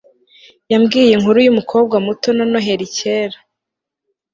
yambwiye inkuru yumukobwa muto na noheri kera